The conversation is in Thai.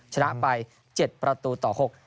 ชนะไป๗ประตูต่อ๖